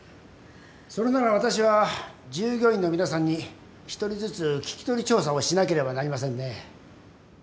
それなら私は従業員の皆さんに１人ずつ聞き取り調査をしなければなりませんね